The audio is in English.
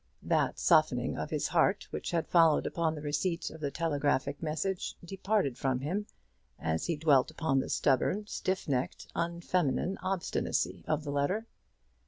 That softening of his heart which had followed upon the receipt of the telegraphic message departed from him as he dwelt upon the stubborn, stiff necked, unfeminine obstinacy of the letter.